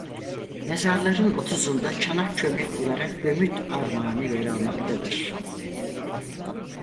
Mezarların otuzunda çanak çömlek olarak gömüt armağanı yer almaktadır.